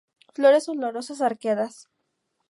Flores olorosas, arqueadas.